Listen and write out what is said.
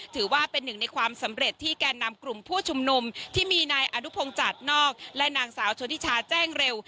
ถือว่าเป็นหนึ่งในความสำเร็จที่แก่นำกลุ่มผู้ชุมนุมที่มีนายอนุพงศ์จัดนอกและนางสาวชนทิชาแจ้งเร็ว